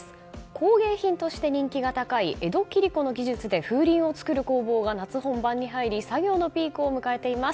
工芸品として人気が高い江戸切子の技術で風鈴を作る工房が夏本番に入り作業のピークを迎えています。